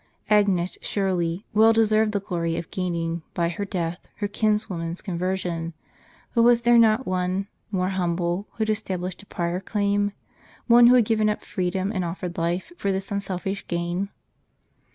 Agnes, surely, well deserved the glory of gaining, by her death, her kinswoman's conversion ; but was there not one, more humble, who had established a prior claim ? One who had given up freedom, and offered life, for this unselfish gain